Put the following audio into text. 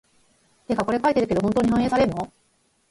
てかこれ書いてるけど、本当に反映されんの？